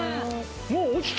もう落ちた。